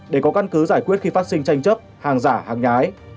để có căn cứ giải quyết khi phát sinh tranh chấp hàng giả hàng nhái